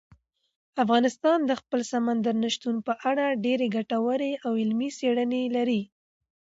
افغانستان د خپل سمندر نه شتون په اړه ډېرې ګټورې او علمي څېړنې لري.